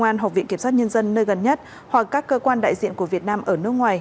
công an học viện kiểm soát nhân dân nơi gần nhất hoặc các cơ quan đại diện của việt nam ở nước ngoài